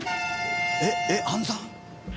えっえっ暗算！？